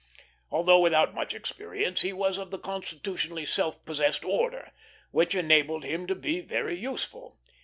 Although without much experience, he was of the constitutionally self possessed order, which enabled him to be very useful.